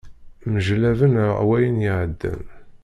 Mjellaben ar wayen iɛeddan.